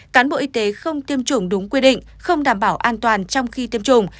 cán bộ y tế không tiêm chủng đúng quy định không đảm bảo an toàn trong khi tiêm chủng